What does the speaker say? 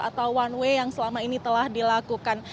atau one way yang selama ini telah dilakukan